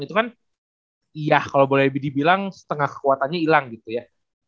itu kan iya kalau boleh dibilang setengah kekuatannya hilang gitu ya